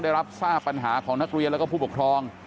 ได้รับทราบปัญหาของนักเรียนแล้วก็ผู้ปกครอง